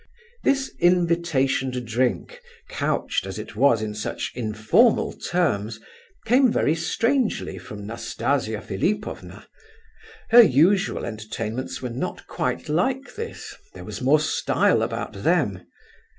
This invitation to drink, couched, as it was, in such informal terms, came very strangely from Nastasia Philipovna. Her usual entertainments were not quite like this; there was more style about them.